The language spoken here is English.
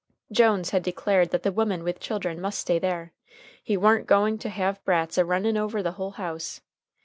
Jones had declared that the women with children must stay there "he warn't goin' to have brats a runnin' over the whole house."